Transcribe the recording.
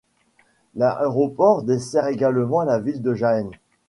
L'aéroport dessert également la ville de Jaén.